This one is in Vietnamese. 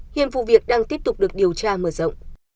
hiện vụ việc đang tiếp tục được điều tra mở rộng